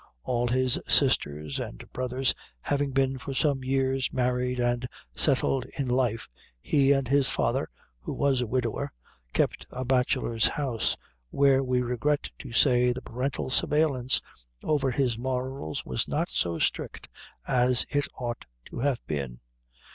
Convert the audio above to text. All his sisters and brothers having been for some years married and settled in life, he, and his father, who was a widower, kept a bachelor's house, where we regret to say the parental surveillance over his morals was not so strict as it ought to have been.